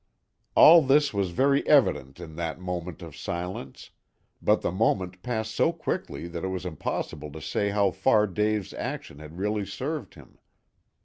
All this was very evident in that moment of silence, but the moment passed so quickly that it was impossible to say how far Dave's action had really served him.